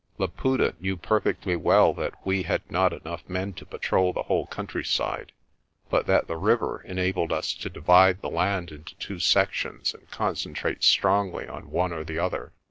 Laputa knew perfectly well th.t we had not enough men to patrol the whole countryside, but that the river enabled us to divide the land into two sections and concentrate strongly on one or the other.